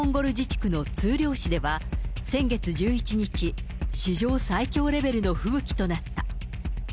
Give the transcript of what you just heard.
モンゴル自治区の通遼市では、先月１１日、史上最強レベルの吹雪となった。